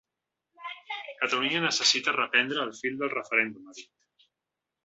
“Catalunya necessita reprendre el fil del referèndum”, ha dit.